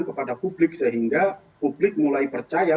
kepada publik sehingga publik mulai percaya